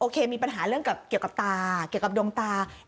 เกี่ยวกับตาเกี่ยวกับดวงตา